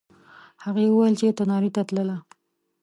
هغې وویل چې تنارې ته تلله.